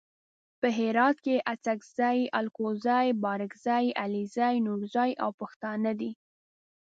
په هرات کې اڅګزي الکوزي بارګزي علیزي نورزي او پښتانه دي.